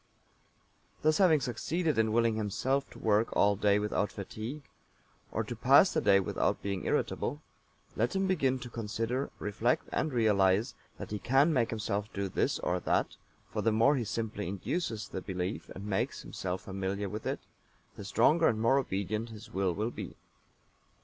Thus having succeeded in willing himself to work all day without fatigue, or to pass the day without being irritable, let him begin to consider, reflect and realize that he can make himself do this or that, for the more he simply induces the belief and makes himself familiar with it, the stronger and more obedient his Will will be.